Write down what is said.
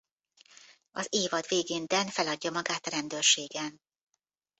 Az évad végén Dan feladja magát a rendőrségen.